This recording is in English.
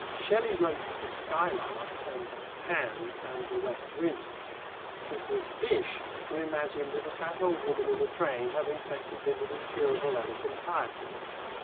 Shelley wrote The Skylark and Pan and The West Wind. It was Bysshe who imagined that a fat old woman in a train had infected him with incurable elephantiasis.